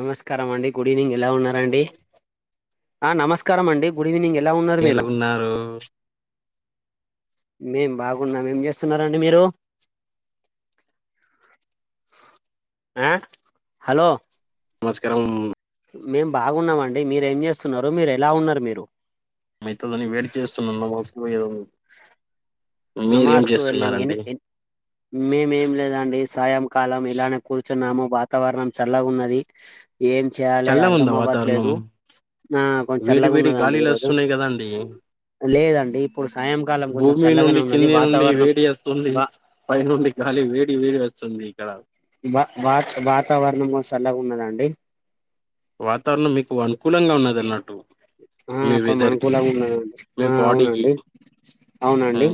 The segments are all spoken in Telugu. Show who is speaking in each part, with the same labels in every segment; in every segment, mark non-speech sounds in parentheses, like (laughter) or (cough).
Speaker 1: నమస్కారం అండి గుడ్ ఈవినింగ్ ఎలా ఉన్నారండి ఆ నమస్కారం అండి గుడ్ ఈవినింగ్ ఉన్నారు
Speaker 2: ఎలా
Speaker 1: మీరు
Speaker 2: ఉన్నారు
Speaker 1: మేం బాగున్నాం ఏం చేస్తున్నరండి మీరు అ హలో
Speaker 2: నమస్కారం
Speaker 1: మేం బాగున్నం అండి మీరు ఏం చేస్తున్నారు మీరు ఎలా ఉన్నారు మీరు
Speaker 2: మైతదని వేడి చేస్తునన్న మనసులో ఏదో మీరేం
Speaker 1: నమాసుకు వెల్లంగ ఎన్నీ
Speaker 2: చేస్తున్నారండి
Speaker 1: ఎన్ మేమేం లేదండి సాయంకాలం ఇలానే కూర్చున్నాము వాతావరణం చల్లగున్నది ఏం చేయాలే
Speaker 2: చల్లగా ఉందా
Speaker 1: అర్ధం
Speaker 2: వాతావరణం
Speaker 1: అవ్వట్లేదు ఆ
Speaker 2: వేడి
Speaker 1: కొంచల్లాగా
Speaker 2: వేడి
Speaker 1: ఉన్నాదండి
Speaker 2: గాలిలు
Speaker 1: ఈరోజు
Speaker 2: వస్తున్నాయి కదండి
Speaker 1: లేదండి ఇప్పుడు సాయంకాలం కొంచెం
Speaker 2: భూమి
Speaker 1: చల్లగానే
Speaker 2: నుండి
Speaker 1: ఉన్నది
Speaker 2: కింది నుండి
Speaker 1: వాతావరణం
Speaker 2: వేడి ఆస్తుంది
Speaker 1: వా
Speaker 2: పై నుండి గాలి వేడి వేడి ఆస్తుంది ఇక్కడ
Speaker 1: వా వాత వాతావరణం సల్లగా ఉన్నదండి
Speaker 2: వాతావరణం మీకు అనుకూలంగా ఉన్నదన్నట్టు
Speaker 1: ఆ
Speaker 2: మీ
Speaker 1: కొంచెం
Speaker 2: వెదర్ కి
Speaker 1: అనుకూలంగా ఉన్నదండి
Speaker 2: మీ
Speaker 1: ఆ
Speaker 2: బాడీకి
Speaker 1: అవునండి అవునండి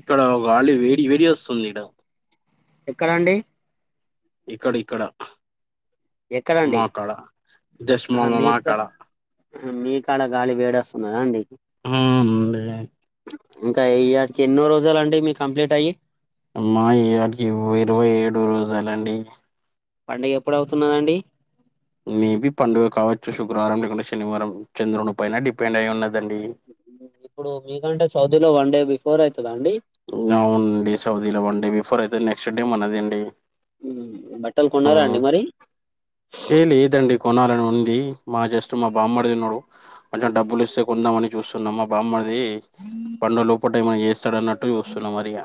Speaker 2: ఇక్కడ వాలి వేడి వేడి అస్తుంది ఇడ
Speaker 1: ఎక్కడండి
Speaker 2: ఇక్కడిక్కడ
Speaker 1: ఎక్కడండి
Speaker 2: జస్ట్ మా
Speaker 1: ఆహా
Speaker 2: మా
Speaker 1: మీక
Speaker 2: కాడ
Speaker 1: మీకాడ గాలి వేడస్తున్నదా అండి
Speaker 2: ఆ అవునండి
Speaker 1: ఇంకా ఇయాటికి ఎన్నో రోజలుండి మీ కంప్లీట్ అయ్యి
Speaker 2: అ మా యాటికి ఇరవై ఏడు రోజాలండి
Speaker 1: పండుగ ఎప్పుడు అవుతున్నదండి
Speaker 2: మేబి పండుగ కావచ్చు శుక్రవారం లేకుంటే శనివారం చంద్రుని పైన డిపెండ్ అయి ఉన్నది
Speaker 1: ఇప్పుడు మీకంటే సౌదీలో వన్ డే బిఫోర్ అయి
Speaker 2: అవునండి సౌదీల వన్ డే బిఫోర్ అయితే నెక్స్ట్ డే మనద అండి
Speaker 1: ఉ
Speaker 2: ఆ ఏ లేదండి కొనాలను ఉంది మా జస్ట్ మా బామ్మర్ది ఉన్నాడు ఐనా డబ్బులు ఇస్తే కొందాం అని చూస్తున్నాం మా బామ్మర్ది అది పండుగ లోపట ఏమై చేస్తాడన్నట్టు చూస్తున్నా మరి ఇగ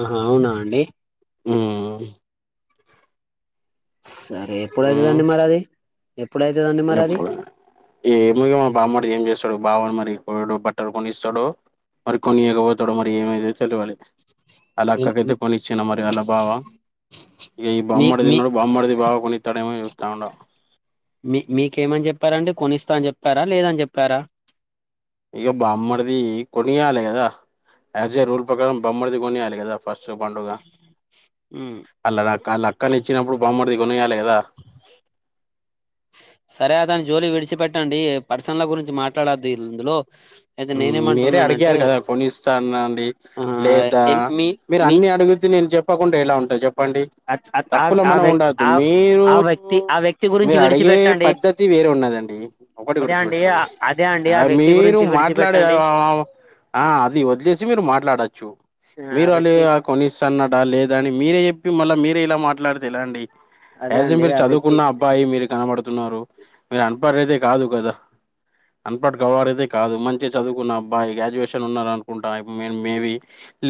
Speaker 1: ఆహా అవునా అండి
Speaker 2: ఆ
Speaker 1: సరే
Speaker 2: ఉమ్
Speaker 1: ఎప్పుడైతుందండి మరి అది ఎప్పుడైతుదండి మరి అది
Speaker 2: ఏ ఏమో ఇగ బామ్మర్ది ఏం చేస్తాడో బావా మరి బట్టలు కొని ఇస్తాడో మరి కొనియక పోతాడో మరి ఏమద తేల్వాదు అలా అక్కకైతే కొనిచ్చిన మరి అలా బావా ఇక ఈ
Speaker 1: మీ మీ
Speaker 2: బాంబమడిదిన్నాడు బాంమడిది బావ కొని ఇతడ ఏమో అని చూస్తా ఉండ
Speaker 1: మీ మీకేమని చెప్పారాండి కొనిస్తా అని చెప్పారా లేదని చెప్పారా
Speaker 2: ఇక బామ్మడిది కొనియాలి కదా యాజ్ ఏ రూల్ ప్రకారం బామ్మడిది కొనియాలి కదా ఫస్ట్ పండుగ అళ్లా అళ్ళ అక్కని ఇచ్చినప్పుడు బాగుమడిది కొనియాలి కాద ఆ
Speaker 1: సరే అ దాని జోలీ విడిచిపెట్టండి పర్సన్ల గురించి మాట్లాడొద్దు ఇందులో అయితే
Speaker 2: మీరే
Speaker 1: నేనేమంటున్నానంటే
Speaker 2: అడిగారు కదా కొనిస్తానండి
Speaker 1: ఆ
Speaker 2: లేదా
Speaker 1: ఎన్ మీ
Speaker 2: మీరు
Speaker 1: మీ
Speaker 2: అన్ని అడుగుగితే నేను చెప్పకుండా ఎలా ఉంటాయి చెప్పండి
Speaker 1: అత్ అత్
Speaker 2: తప్పుల
Speaker 1: ఆ
Speaker 2: మనం
Speaker 1: వ్యక్తి
Speaker 2: ఉండద్దు
Speaker 1: ఆ
Speaker 2: మీరు
Speaker 1: ఆ వ్యక్తి ఆ వ్యక్తి గురించి
Speaker 2: మీరు అడిగ అడిగే
Speaker 1: విడిచిపెట్టండి
Speaker 2: పద్దతి వేరే ఉన్నదండి ఒకటి
Speaker 1: అదే అండి
Speaker 2: గుర్తుపెట్టుకోండి
Speaker 1: అదే అండి ఆ వ్యక్తి
Speaker 2: మీరు
Speaker 1: గురించి
Speaker 2: మాట్లాడే
Speaker 1: విడిచిపెట్టండి
Speaker 2: ఆ అది వదిలేసి మీరు మాట్లాడచ్చు
Speaker 1: ఆ ఆ
Speaker 2: మీరు అళ్ళ
Speaker 1: వ్యక్తి
Speaker 2: కొనిస్తన్నడా లేదని మీరే చెప్పి మళ్ళా మీరే ఇలా మాట్లాడతే ఎలా అండి
Speaker 1: అదే
Speaker 2: యాస్ ఏ
Speaker 1: అండి
Speaker 2: మీరు
Speaker 1: ఆ వ్యక్తి
Speaker 2: చదువుకున్న అబ్బాయి మీరు కనబడుతున్నారు మీరు అనపడదతే కాదు కదా అన్పడ్ గవడితే ఇదే కాదు మంచి చదువుకున్న అబ్బాయి గ్రాడ్యుయేషన్ ఉన్న అనుకుంటా మేబి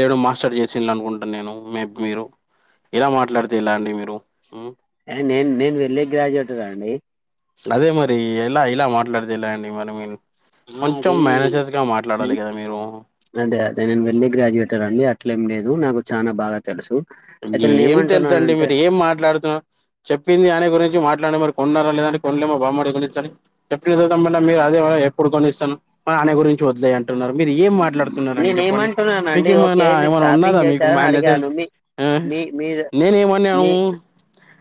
Speaker 2: లేను మాస్టర్ చేసి అనుకుంటాను నేను మ మీరు ఇలా మాట్లాడితే ఎలా అండి మీరు
Speaker 1: ఏ నేను నేను ఎల్ ఏ గ్రాడ్యుయేటర్ అండి
Speaker 2: అదే మరి ఇలా ఇలా మాట్లాడితేలాండి మరి
Speaker 1: ఆ అది
Speaker 2: కొంచెం మేనేజర్స్గా మాట్లాడాలి కదా మీరు
Speaker 1: అదే అదే నేను వెళ్ళి గ్రాడ్యుయేటర్ అండి అట్లేం లేదు నాకు చానా బాగా తెలుసు అయితే నేను
Speaker 2: ఏం తెలుస అండి
Speaker 1: ఏమంటున్నానంటే
Speaker 2: మీరు ఏం మాట్లాడుతున్నారు చెప్పింది అనే గురించి మాట్లాడిన మరి కొన్నారా లేదని కొనలేమో బామ్మడి కొనిస్తాని చెప్పినత మీరు మళ్ళ ఎప్పుడు కొనిస్తారూ ఆయన గురించి వదిలేయి అంటున్నారు మీరు ఏం మాట్లాడుతున్నారండి
Speaker 1: నేను
Speaker 2: చెప్పండి మీకు
Speaker 1: ఏమంటున్నానండి ఓకే
Speaker 2: ఏమైనా
Speaker 1: మీరు
Speaker 2: ఏమైన్నా ఉన్నాదా
Speaker 1: షాపింగ్
Speaker 2: మీకు ఉన్నదా
Speaker 1: చేశారని
Speaker 2: మైండ్ అసలు
Speaker 1: అడిగాను మీ మీ మీ
Speaker 2: నేను ఏ మన్యాను
Speaker 1: మీ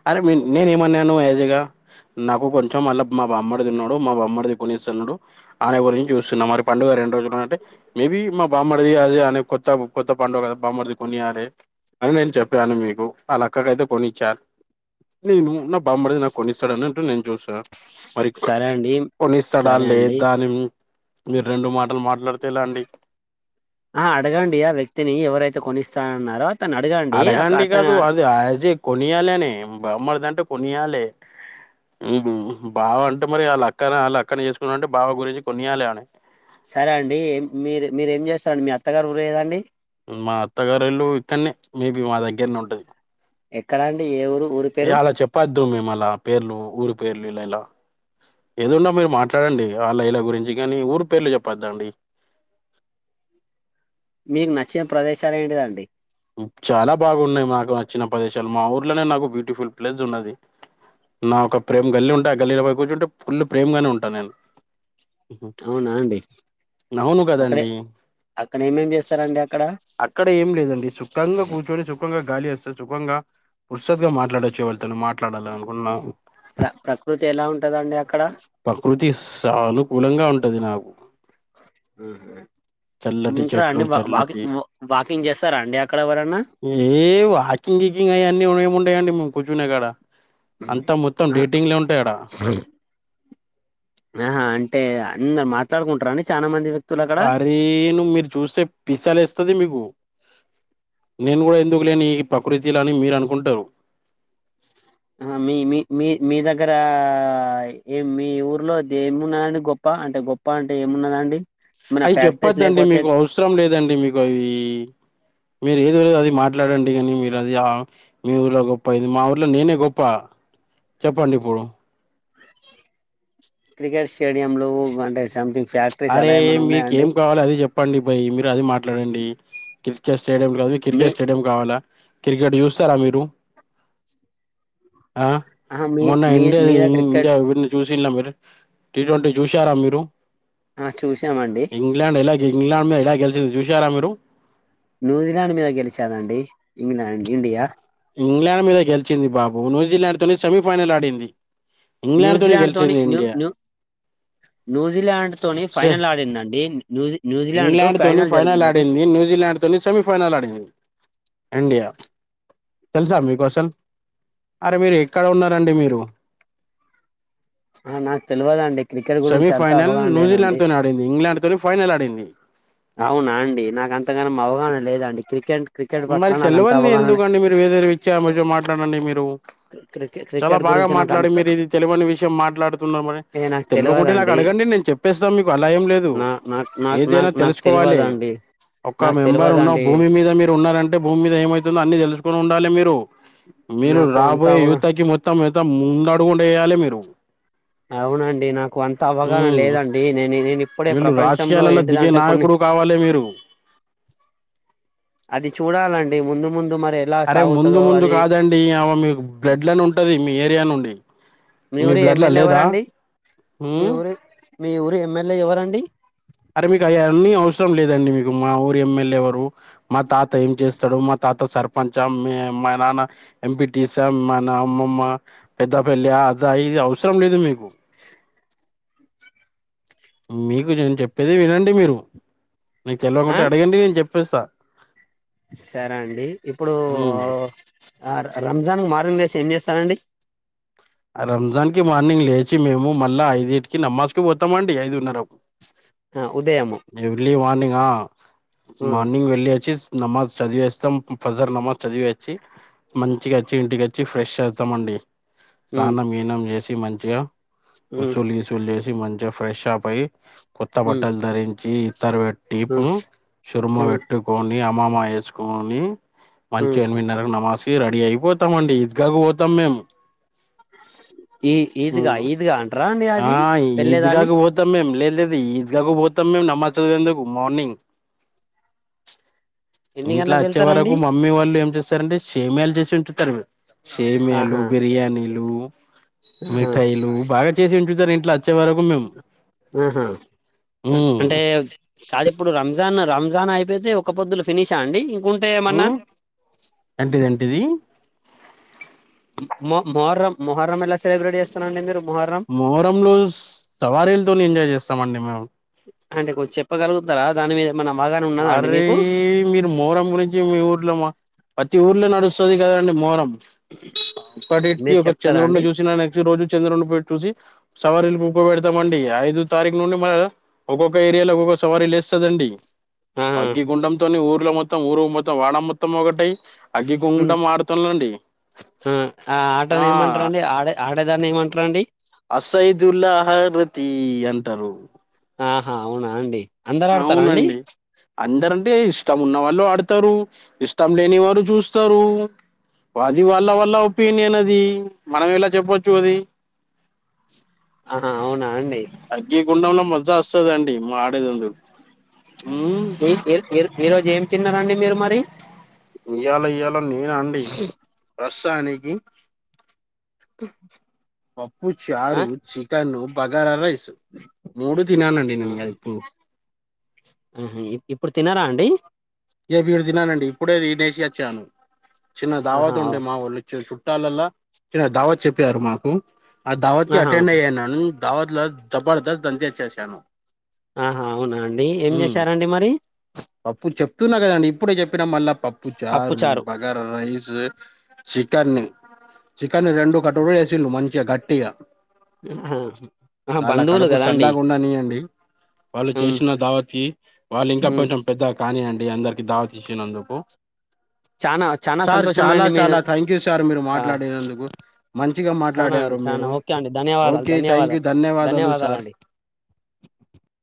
Speaker 2: అరే మీ నేను ఏ మన్ను ఏజగా నాకు కొంచెం మళ్ళీ మా బొమ్మడు ఉన్నాడు మా బమ్మడి కొనిస్తున్నాడు ఆనే గురించి చూస్తున్నా మరి పండుగ రెండు రోజులు అంటే మేబి మా బామ్మరిది అదే అ కొత్త కొత్త పండుగ కద బామ్మరిది కొనియాలే అ నేను చెప్పాను మీకు అ లక్కకైతే కొనిచ్చారు నేను నా బామ్మడిది నాకు కొనిస్తాడని అన్నట్టు నేను చూసిన మరి
Speaker 1: సరే అండి
Speaker 2: కొనిస్తడా
Speaker 1: సరే అండి
Speaker 2: లేదాని మీరు రెండు మాటలు మాట్లాడితేలాండి
Speaker 1: ఆ అడగండి ఆ వ్యక్తిని ఎవరైతే కొనిస్తానన్నారో అతను అక
Speaker 2: అడగండి కాదు
Speaker 1: అతను
Speaker 2: అది యాస్ ఏ కొనియాలనే బమ్మడిదంటే కొనియాలే హ్మ్ బావ అంటే మరి వాళ్ళ అక్కన వాళ్ళ అక్కన చేసుకున్నా అంటే బావ గురించి కొనియాలి అని
Speaker 1: సరే అండి మీరు మీరు ఏం చేస్తారండి మీ అత్తగారు ఊరు ఎదండి
Speaker 2: మా అత్తగారిల్ళు ఇక్కడనే మేబి మా దగ్గరనే ఉంటది
Speaker 1: ఎక్కడా అండి ఏ ఊరు ఊరి పేరు
Speaker 2: దో మేము అలా పేర్లు ఊరు పేర్లు ఇల ఇలా ఏదున్నా మీరు మాట్లాడండి ఆలా ఇలా గురించి కానీ ఊరు పేర్లు చెప్పద్దాఅండి
Speaker 1: మీకు నచ్చిన ప్రదేశాలు ఏంటిదండి
Speaker 2: హ్మ్ చాలా బాగున్నాయి మాకు నచ్చిన ప్రదేశాలు మా ఊర్లోనే నాకు బ్యూటిఫుల్ ప్లేస్ ఉన్నది నా ఒక ప్రేమ గల్లీ ఉంటా ఆ గల్లీలో పోయి కూర్చుంటే ఫుల్లు ప్రేమ గానే ఉంటాను నేను ఉహు.
Speaker 1: అవునా అండి
Speaker 2: అవును
Speaker 1: అక్కడే
Speaker 2: కదండి
Speaker 1: అక్కడ ఏమేం చేస్తారండి అక్కడ
Speaker 2: అక్కడ ఏం లేదండి సు కంగ కూచొని చుక్క (unintelligible) గాలి వేస్తే సుఖంగా ఉత్సడ్ గా మాట్లాడచ్చు ఎవళితో మాట్లాడాల అనుకున్నా
Speaker 1: ప్ర ప్రకృతి ఎలా ఉంటదండి అక్కడ
Speaker 2: ప్రకృతి సానుకూలంగా ఉంటది నాకు
Speaker 1: ఆహ
Speaker 2: చల్లటి
Speaker 1: ఉంట్ర
Speaker 2: చెట్లు
Speaker 1: అండి
Speaker 2: చల్లటి
Speaker 1: వాకింగ్ వాకింగ్ చేస్తారా అండి అక్కడ ఎవరన్నా
Speaker 2: ఏ వాకింగ్ వకింగ్ అవి అన్నీ ఏమి ఉంటాయండి మేము కూర్చునేకాడ అంతా మొత్తం
Speaker 1: ఆ
Speaker 2: డేటింగ్ లే ఉంటాయాడా
Speaker 1: ఆహా అంటే అందరు మాట్లాడుకుంటార అండి చాలా మంది వ్యక్తులు అక్కడ?
Speaker 2: అరే నువ్వు మీరు చూసే పిసా లేస్తది మీకు నేను కూడా ఎందుకు లేని ఈ ప్రకృతిలని మీరు అనుకుంటరు
Speaker 1: మీ మీ మీ మీ దగ్గర ఏ మీ ఊర్లో దేమునని గొప్ప అంటే గొప్ప అంటే ఏమున్నదండి ఏమన్నా
Speaker 2: అవి
Speaker 1: ఫ్యాక్టరీస్
Speaker 2: చెప్పద్దండి
Speaker 1: లేకపోతే
Speaker 2: మీకు అవసరం లేదండి మీకు అవి మీరు ఏది అది మాట్లాడండి కానీ మీరు అది ఆ మీ ఊర్లో గొప్ప ఇది మా ఊర్లో నేనే గొప్ప చెప్పండి ఇప్పుడు
Speaker 1: క్రికెట్ స్టేడియం లో అంటే సంథింగ్ ఫ్యా
Speaker 2: అరే మీక్ ఏం కావాలి అదే చెప్పండి భై మీరు అది మాట్లాడండి క్రికెట్ స్టేడియం కాదు
Speaker 1: మీ
Speaker 2: క్రికెట్ స్టేడియం కావ లా క్రికెట్ చూస్తారా మీరు ఆ
Speaker 1: ఆహా! మీ
Speaker 2: మొన్న
Speaker 1: మీ
Speaker 2: ఇండియా
Speaker 1: మీద క్రికెట్
Speaker 2: ఇండియా విన్ చూస్ తిన్న మీరు టీ ట్వంటీ చూసారా మీరు
Speaker 1: ఆ చూసామండి
Speaker 2: ఇంగ్లాండ్ ఎలా ఇంగ్లాండ్ మే ఎలా గెలిచింది చూసారా మీరు
Speaker 1: న్యూజిలాండ్ మీద గెలిచదండి ఇంగ్లాండ్ ఇండియా
Speaker 2: ఇంగ్లాండ్ మీద గెలిచింది బాబు న్యూజిలాండ్ తోనే సెమీఫైనల్ ఆడింది ఇంగ్లాండ్
Speaker 1: న్యూజలాండ్ తోని
Speaker 2: గెలిచింది
Speaker 1: న్యూ
Speaker 2: ఇండియా
Speaker 1: న్యూ న్యూజిలాండ్ తోని
Speaker 2: షే
Speaker 1: ఫైనల్ ఆడిందండి న్యూజి న్యూజిలాండ్ తో
Speaker 2: ఇంగ్లాండ్ తోని ఫైనల్
Speaker 1: జరిగిందండి.
Speaker 2: ఆడింది న్యూజిలాండ్ తోని సెమీఫైనల్ ఆడింది ఇండియా తెలుసా మీకు అసలు అరే మీరు ఎక్కడ ఉన్నారండి మీరు
Speaker 1: ఆ నాకు తెలవదండి క్రికెట్ గురించి
Speaker 2: సెమీ
Speaker 1: అంత
Speaker 2: ఫైనల్
Speaker 1: అవగాహన లేదండి
Speaker 2: న్యూజిలాండ్ తోని ఆడింది ఇంగ్లాండ్ తోని ఫైనల్ ఆడిం
Speaker 1: అవునా అండి నాకు అంతగానం అవగాహన లేదండి క్రికెట్ క్రికెట్ పట్ల
Speaker 2: మరి
Speaker 1: నాకు అంత
Speaker 2: తెలవంది
Speaker 1: అవగాహన లే
Speaker 2: ఎందుకండి మీరు వేరే విచ్చ విషయం మాట్లాడండి మీరు
Speaker 1: క్రికె
Speaker 2: చాలా
Speaker 1: క్రికెట్
Speaker 2: బాగా
Speaker 1: గురించి నాకు
Speaker 2: మాట్లాడి
Speaker 1: అంత
Speaker 2: మీరు ఇది తెలివని విషయం మాట్లాడుతున్నమని
Speaker 1: ఏ నాకు
Speaker 2: తెలవకుంటే నాకు
Speaker 1: తెలవదండి
Speaker 2: అడ (unintelligible) గండి నేను చెప్పేస్తాం మీకు అలా ఏ లేదు
Speaker 1: నా నాకు నాకు
Speaker 2: ఏదైనా
Speaker 1: నాకు నాకు
Speaker 2: తెలుసుకోవాలి
Speaker 1: తెలవదండి
Speaker 2: ఒక
Speaker 1: నాకు
Speaker 2: మెంబర్ ఉన్న
Speaker 1: తెలవదండి
Speaker 2: భూమి మీద మీరు ఉన్నారంటే భూమి మీద ఏమైతుందో అన్ని తెలుసుకోని ఉండాలి మీరు మీరు
Speaker 1: నాకు అంత
Speaker 2: రాబోయే
Speaker 1: అవగా
Speaker 2: యువతకి మొత్తం మత్తం ముందడుగు ఉండి వేయాలి మీరు
Speaker 1: అవునండి నాకు అంత అవగాహన
Speaker 2: ఉమ్
Speaker 1: లేదండి నేను ఇదీ మీ ఇప్పుడే
Speaker 2: వీళ్ళు
Speaker 1: ప్రపంచంలో
Speaker 2: రాజకీయాలలో దిగే
Speaker 1: ఏంటిదంటే కొన్ని
Speaker 2: నాయకుడు కావాలి మీరు
Speaker 1: అది చూడాలన్
Speaker 2: అరే ముందు ముందు కాదండి మీయమ్మ మీకు బ్లేడ్లనే ఉంటది మీ ఏరియా నుండి ఇ
Speaker 1: మీ ఊరి ఎమ్మెల్యే ఎవరండి మీ
Speaker 2: ఉమ్
Speaker 1: ఊరు మీ ఊరు ఎమ్మెల్యే ఎవరండి
Speaker 2: అరే మీకు అవి అన్నీ అవసరం లేదండి మీకు మా ఊరు ఎమ్ ఎల్ ఏ ఎవరు మా తాత ఏం చేస్తాడు మా తా తాత సర్పంచ మ్యా మా నాన్న ఎంపీటిస మ అమ్మమ్మ పెద్ద పెళ్లి ఆ అదా ఇది అవసరం లేదు మీకు ప్పేది వినండి మీరు నీకు
Speaker 1: ఆ
Speaker 2: తెల్వకుంటే అడగండి నేను చెప్పేస్తా
Speaker 1: సరే అండి ఇప్పుడు
Speaker 2: ఉమ్
Speaker 1: ఆ రంజాన్ మార్నింగ్ లేసి ఏం చేస్ తరండి
Speaker 2: రంజాన్ కి మార్నింగ్ లేచి మేము మళ్ళా ఐదిటికి నమాజ్ కి పోతామండి ఐదున్న
Speaker 1: ఆ ఉదయము
Speaker 2: నా
Speaker 1: ఉమ్
Speaker 2: మార్నింగ్ వెళ్ళి వచ్చేస్ నమాజ్ చదివేస్తాం ఫజర్ నమాజ్ చదివేసి మంచిగా వచ్చి ఇంటికి వచ్చి ఫ్రెష్ అవుతాం అండి
Speaker 1: ఉమ్
Speaker 2: తానం ఈనం చేసి మంచిగా
Speaker 1: ఉమ్
Speaker 2: ఉసులు విసులు చేసి మంచిగా ఫ్రెష్ ఆప్ అయి కొత్త
Speaker 1: ఉమ్
Speaker 2: బట్టలు ధరించి ఇత్తరు వెట్టి పూ
Speaker 1: ఉమ్
Speaker 2: షుర్మ
Speaker 1: ఉమ్
Speaker 2: పెట్టుకోన్ నీ అమామాయి వేసుకని మంచి
Speaker 1: ఉమ్
Speaker 2: ఎన్మినరకి నమాస్కి రెడీ అయిపోతామండి గవోతమ్ మేం
Speaker 1: ఈ ఈద్గా ఈద్గా అంటారా అండి
Speaker 2: ఆ
Speaker 1: అది
Speaker 2: ఈద్
Speaker 1: వెళ్ళేదాన్ని
Speaker 2: గాకు పోతం మే మ్ లేదు లేదు ఈద్ గాకు పోతాం మేము నమాజ్ చదివేందుకు మార్నింగ్
Speaker 1: ఎన్ని
Speaker 2: ఇంట్లో
Speaker 1: గంటలకు
Speaker 2: అచ్చే వరకు
Speaker 1: వెళ్తారండి
Speaker 2: మమ్మీ వాళ్ళు ఏం చేస్తారంటే సేమీయాలు చేసి ఉంచుతారు సేమయాలు,
Speaker 1: ఆహా
Speaker 2: బిర్యానీలు,
Speaker 1: ఆహా
Speaker 2: మిఠాయిలు బాగా చేసి ఉంచుతరు ఇంట్ల
Speaker 1: ఆహా
Speaker 2: హ్మ్.
Speaker 1: అంటే కాదు ఇప్పుడు రంజాన్ రంజాన్ అయిపోతే ఒక పొద్దులు ఫినిషా అండి ఇంకుంటే ఏమన్నా
Speaker 2: మ్ ఎంటిది ఎంటిది
Speaker 1: మొ మొహర్రం మొహర్రం ఎలా సెలబ్రేట్ చేస్తారండి మీరు మొహర్రం
Speaker 2: మోహరంలో సవారీలతో ఎంజాయ్ చేస్తామండి మేము
Speaker 1: తరా దాని మీద ఏమన్నా అవగాహన ఉన్నదా అండి
Speaker 2: అరే
Speaker 1: మీకు
Speaker 2: మీరు మోహారం గురించి మీ ఊర్లో మా ప్రతి ఊర్లో నడు వస్తది కదండి మోరం ఇప్పటికి
Speaker 1: మీరు
Speaker 2: ఒక
Speaker 1: చెప్తారా
Speaker 2: చంద్రుడిని
Speaker 1: అండి
Speaker 2: చూసిన నెక్స్ట్ రోజు చంద్రుడి పె చూసి సవరిల్లు ప ఉప్ప పెడతాంమండి ఐదు తారీఖు నుండి మ ఒక్కొక్క ఏరియాలో ఒక్కొక్క సవారి లేస్తదండి
Speaker 1: ఆ
Speaker 2: అగ్గి గుండంతోనీ ఊరు ల మొత్తం ఊరు మొత్తం వాడ మొత్తం ఒకటై
Speaker 1: ఉమ్
Speaker 2: అగ్గిగుండం ఆడుతం అండి
Speaker 1: ఆ ఆ ఆటని ఏమంటారండి ఆడే ఆడేదాన్ని ఏమంటారండి
Speaker 2: అసైదుల్లాహరతి అంటరు
Speaker 1: ఆహా అవునా అండి అందరు ఆడతారా అండి
Speaker 2: అవునండి అందరంటే ఇష్టం ఉన్నవాళ్ళు ఆడు తరు ఇష్టం లేని వారు చూస్తారు అది వాళ్ళ వాళ్ళ ఒపీనియన్ అది మనం ఎలా చెప్పొచ్చు అది
Speaker 1: ఆహా అవునా అండి
Speaker 2: అగ్గిగుండంలో మజా వస్తదండీ మాడుగు మ్
Speaker 1: ఇర్ ఈరోజు ఏం తిన్నారండి మీరు మరి
Speaker 2: ఇయ్యాల ఇయ్యాల నేనా అండి సానికి పప్పు
Speaker 1: ఆ
Speaker 2: చారు, చికెను బగారా రైసు మూడు తిననుండి నేను ఇయ్యాల
Speaker 1: మ్ హు ఇప్పుడు తినరా అండి
Speaker 2: ఏపు ఇడు తిన్నానండి ఇప్పుడే దినేసి వచ్చాను చిన్న దావాత్
Speaker 1: ఆహా
Speaker 2: ఉండే మా
Speaker 1: ఓకే.
Speaker 2: వాళ్ళు ఇచ్చి చు లల్లా దావత్ చెప్పారు మాకు ఆ దావత్కి
Speaker 1: ఆహా
Speaker 2: అటెండ్ అయ్యాను అంతా ధావత్ల జబర్దస్ ధంచేశేశాను
Speaker 1: ఆహా అవునా అండి ఏం చేశారండి మరి
Speaker 2: పప్పు చెప్తున్న కదండి ఇప్పుడే చెప్పినా మళ్ళ పప్పు చారు
Speaker 1: పప్పుచారు
Speaker 2: బాగారా రైస్ చికెన్ని చికెన్ని రెండు కటోరాలు వేసిండు మంచిగ గట్టిగా
Speaker 1: ఆహా ఆహా
Speaker 2: వాళ్ళ
Speaker 1: బంధువులు
Speaker 2: కడుపు
Speaker 1: కదా అండి
Speaker 2: సళ్ళగుండనీ అండి వాళ్ళు
Speaker 1: ఉమ్
Speaker 2: చేసిన దావత్కి వాళ్ళు ఇంకా
Speaker 1: ఉమ్
Speaker 2: కొంచం పెద్దగ కానివ్వండి మా అందరికి ధావత్ ఇచ్చినందుకు
Speaker 1: చానా చానా
Speaker 2: సార్ చాలా
Speaker 1: సంతోషమండి మీరు
Speaker 2: చాలా థ్యాంక్యూ సార్ మీరు
Speaker 1: ఆ
Speaker 2: మాట్లాడినందుకు మంచిగా
Speaker 1: చానా అండి
Speaker 2: మాట్లాడారు
Speaker 1: చానా
Speaker 2: మీరు
Speaker 1: ఓకే అండి ధన్యవాదాలు
Speaker 2: ఓకే థ్యాంక్యూ
Speaker 1: ధన్యవాదాలు
Speaker 2: ధన్యవాదాలు సార్
Speaker 1: ధన్యవాదాలండి